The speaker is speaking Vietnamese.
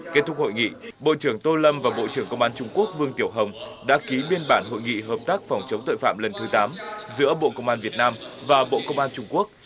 kết thúc hội nghị bộ trưởng tô lâm và bộ trưởng công an trung quốc vương tiểu hồng đã ký biên bản hội nghị hợp tác phòng chống tội phạm lần thứ tám giữa bộ công an việt nam và bộ công an trung quốc